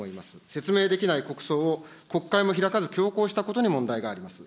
説明できない国葬を国会も開かず強行したことに問題があります。